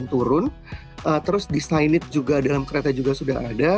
untuk mendahulukan pengguna yang akan turun terus di stasiun cawang dan juga dalam kereta juga sudah ada